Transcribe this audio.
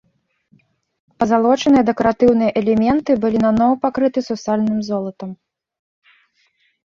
Пазалочаныя дэкаратыўныя элементы былі наноў пакрыты сусальным золатам.